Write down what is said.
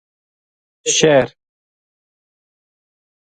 شہر